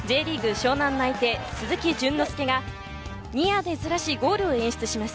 湘南内定、鈴木淳之介がニアでずらしゴールを演出します。